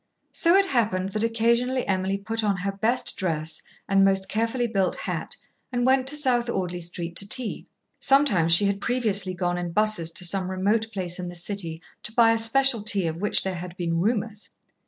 So it happened that occasionally Emily put on her best dress and most carefully built hat and went to South Audley Street to tea. (Sometimes she had previously gone in buses to some remote place in the City to buy a special tea of which there had been rumours.)